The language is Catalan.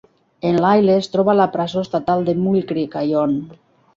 En Lyle es troba a la presó estatal de Mule Creek, a Ione.